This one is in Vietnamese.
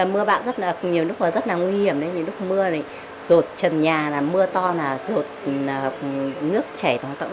mưa bão rất là nguy hiểm lúc mưa rột trần nhà mưa to là rột nước chảy tổng tổng